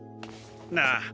なあ